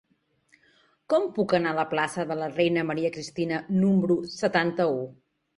Com puc anar a la plaça de la Reina Maria Cristina número setanta-u?